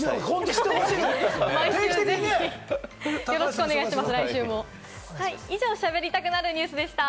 来週もよろしくお願いします。